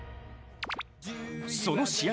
その試合